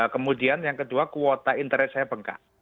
kemudian yang kedua kuota internet saya bengkak